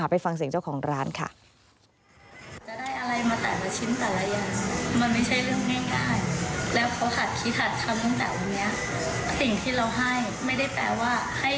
ไปฟังเสียงเจ้าของร้านค่ะ